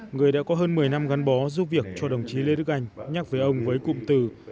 người đã có hơn một mươi năm gắn bó giúp việc cho đồng chí lê đức anh nhắc với ông với cụm từ